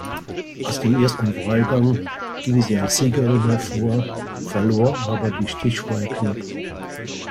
Aus dem ersten Wahlgang ging sie als Siegerin hervor, verlor aber die Stichwahl knapp.